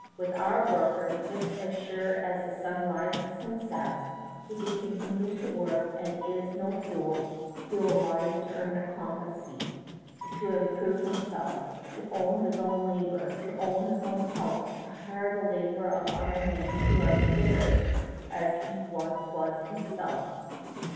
With our worker, just as sure as the sun rises and sets, if he continues to work and is no fool, he will rise to earn a competency, to improve himself, to own his own labor, to own his own home, to hire the labor of other men who are beginners as he once was himself."